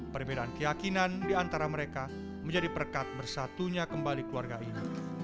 perbedaan keyakinan di antara mereka menjadi perkat bersatunya kembali keluarga ini